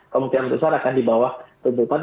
kemungkinan besar akan di bawah tuntutan